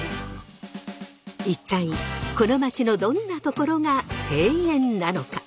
一体この街のどんなところが庭園なのか？